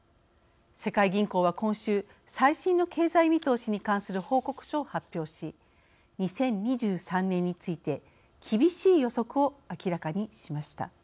世界銀行は今週最新の経済見通しに関する報告書を発表し２０２３年について厳しい予測を明らかにしました。